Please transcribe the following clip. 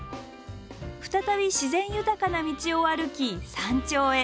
再び自然豊かな道を歩き山頂へ。